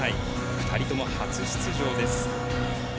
２人とも初出場です。